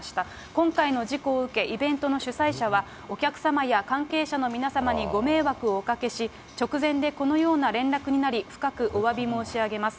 今回の事故を受け、イベントの主催者は、お客様や関係者の皆様にご迷惑をおかけし、直前でこのような連絡になり、深くおわび申し上げます。